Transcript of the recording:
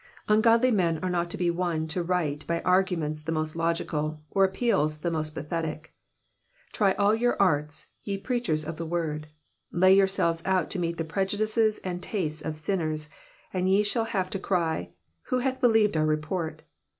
''^ Ungodly men are not to be won to right by arguments the most logical, or appeals the most pathetic. Try all your arts, ye preachers of the word I Lay yourselves out to meet the prejudices and tastes of sinners, and ye shall yet have to cry, Who hath believed our report?"